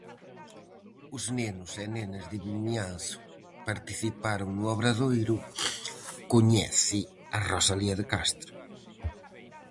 Os nenos e nenas de Vimianzo participaron no obradoiro "coñece a Rosalía de Castro".